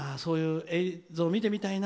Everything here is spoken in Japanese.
そういう映像を見てみたいな。